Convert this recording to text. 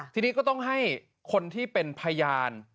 ทีนี้ก็ต้องให้คนที่เป็นพยาน